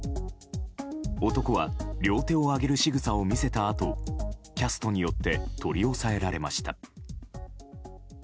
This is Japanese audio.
男は両手を上げるしぐさを見せたあとキャストによって取り押さえられました。